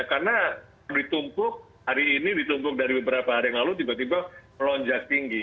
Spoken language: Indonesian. karena hari ini ditumpuk dari beberapa hari yang lalu tiba tiba melonjak tinggi